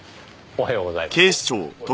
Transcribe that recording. おはようございます。